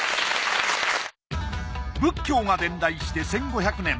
仏教が伝来して１，５００年。